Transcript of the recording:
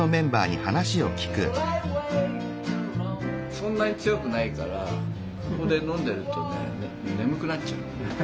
そんなに強くないからここで飲んでるとね眠くなっちゃうの。